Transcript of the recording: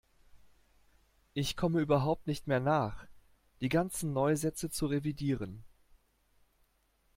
Ich komme überhaupt nicht mehr nach, die ganzen Neusätze zu revidieren.